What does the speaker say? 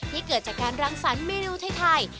เกิดจากการรังสรรค์เมนูไทย